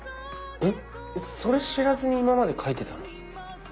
えっそれ知らずに今まで描いてたの？